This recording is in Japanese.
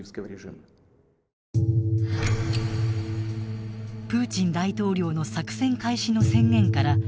プーチン大統領の作戦開始の宣言から２５分後。